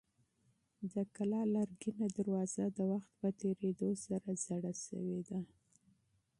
د کلا لرګینه دروازه د وخت په تېرېدو سره زړه شوې ده.